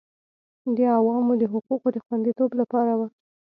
د عوامو د حقوقو د خوندیتوب لپاره وه